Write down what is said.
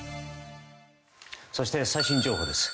そして最新情報です。